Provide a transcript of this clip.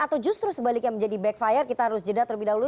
atau justru sebaliknya menjadi backfire kita harus jeda terlebih dahulu